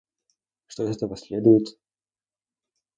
Что из этого следует?